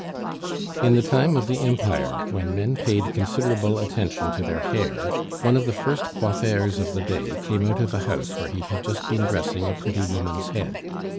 In the time of the Empire, when men paid considerable attention to their hair, one of the first coiffeurs of the day came out of a house where he had just been dressing a pretty woman's head.